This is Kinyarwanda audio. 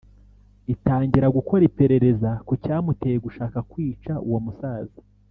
itangira gukora iperereza ku cyamuteye gushaka kwica uwo musaza